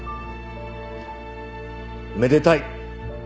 めでたい。